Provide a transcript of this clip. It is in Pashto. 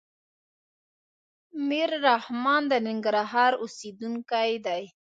ميررحمان د ننګرهار اوسيدونکی دی.